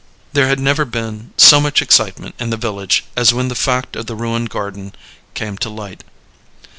There had never been so much excitement in the village as when the fact of the ruined garden came to light.